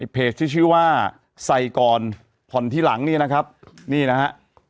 เพจที่ชื่อว่าใส่ก่อนผ่อนที่หลังเนี่ยนะครับนี่นะฮะ